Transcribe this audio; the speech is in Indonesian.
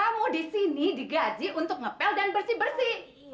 kamu disini digaji untuk ngepel dan bersih bersih